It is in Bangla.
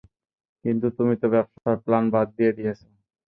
কিন্তু তুমি তো ব্যবসার প্লান বাদ দিয়ে দিয়েছ।